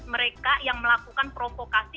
mereka yang melakukan provokasi